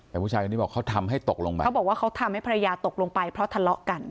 แต่ผู้ชายคนนี้บอกเขาทำให้ตกลงมาเขาบอกว่าเขาทำให้ภรรยาตกลงไปเพราะทะเลาะกัน